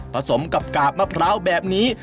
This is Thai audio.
สมกับกาบมะพร้าวแบบนี้